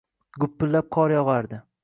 Gupillab qor yogʻardi.